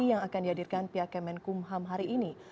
yang akan dihadirkan pihak kemenkumham hari ini